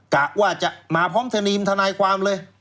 กะว่าจะมาพร้อมธนีมทนายความเลย